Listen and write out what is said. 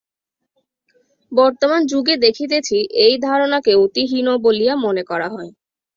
বর্তমান যুগে দেখিতেছি, এই ধারণাকে অতি হীন বলিয়া মনে করা হয়।